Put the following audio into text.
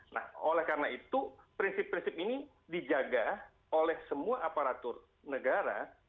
nah oleh karena itu prinsip prinsip ini dijaga oleh semua aparatur negara